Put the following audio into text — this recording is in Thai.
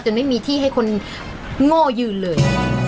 ไม่มีที่ให้คนโง่ยืนเลย